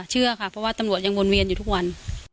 เชื่อมั่นในการทำงานตำรวจไหม